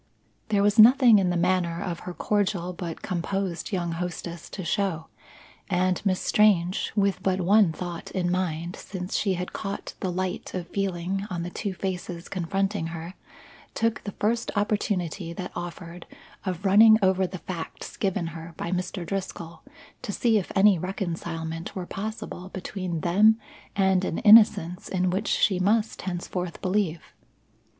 There was nothing in the manner of her cordial but composed young hostess to show, and Miss Strange, with but one thought in mind since she had caught the light of feeling on the two faces confronting her, took the first opportunity that offered of running over the facts given her by Mr. Driscoll, to see if any reconcilement were possible between them and an innocence in which she must henceforth believe.